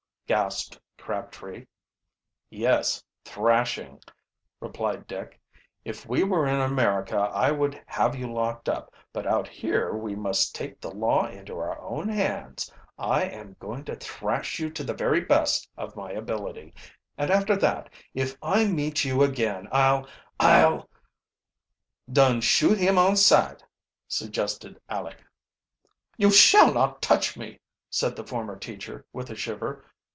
gasped Crabtree. "Yes, thrashing," replied Dick. "If we were in America I would have you locked up. But out here we must take the law into our own hands. I am going to thrash you to the very best of my ability, and after that, if I meet you again I'll I'll " "Dun shoot him on sight," suggested Aleck. "You shall not touch me!" said the former teacher with a shiver.